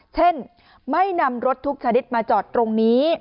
เช่นไม่นำรถทุกชนิดมาจอดตรงนี้